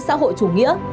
xã hội chủ nghĩa